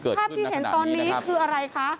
ภาพที่เห็นตอนนี้คืออะไรคะ